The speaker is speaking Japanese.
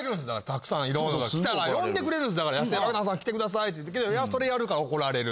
たくさんいろんなのが来たら呼んでくれるんですだから野性爆弾さん来てくださいって言ったけどそれやるから怒られる。